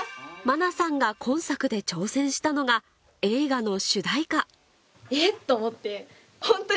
愛菜さんが今作で挑戦したのが映画の主題歌